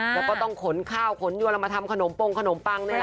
แล้วก็ต้องขนข้าวขนยวนมาทำขนมปงขนมปังนี่แหละ